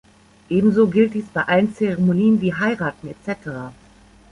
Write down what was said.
Ebenso gilt dies bei allen Zeremonien wie Heiraten etc.